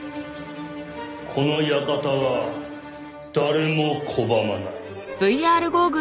この館は誰も拒まない。